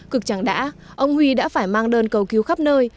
cực chẳng đã ông huy đã phải mang đơn cầu cứu khắp nơi